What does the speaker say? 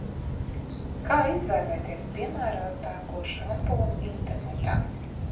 Kā izvēlēties piemērotāko šampūnu internetā?